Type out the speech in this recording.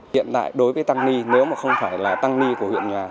hiện tại đối với tăng ni nếu mà không phải là tăng ni của huyện nhà